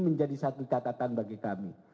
menjadi satu catatan bagi kami